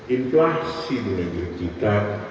inflasi di dunia kita